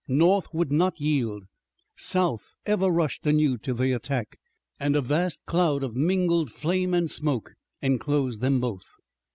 North would not yield, South ever rushed anew to the attack, and a vast cloud of mingled flame and smoke enclosed them both.